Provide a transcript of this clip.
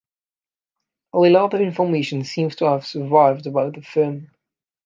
Little other information seems to have survived about the firm.